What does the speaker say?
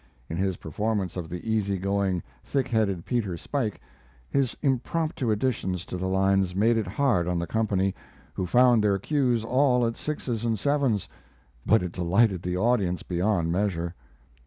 In his performance of the easy going, thick headed Peter Spuyk his impromptu additions to the lines made it hard on the company, who found their cues all at sixes and sevens, but it delighted the audience beyond measure.